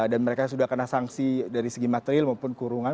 dan mereka sudah kena sanksi dari segi material maupun kurungan